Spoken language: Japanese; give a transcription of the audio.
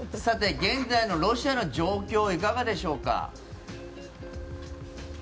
現在のロシアの状況いかがでしょうか。